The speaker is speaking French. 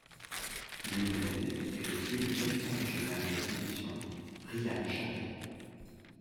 L’une d’elles est de tuer le directeur régional de la Division Ryan Chappelle.